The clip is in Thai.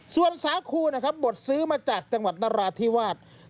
ส่วนสาคูบทซื้อมาจากจังหวัดนาราธิวาช